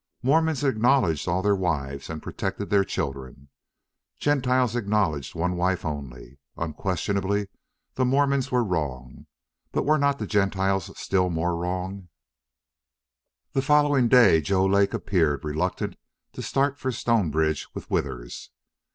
Mormons acknowledged all their wives and protected their children; Gentiles acknowledged one wife only. Unquestionably the Mormons were wrong, but were not the Gentiles still more wrong? ........... The following day Joe Lake appeared reluctant to start for Stonebridge with Withers.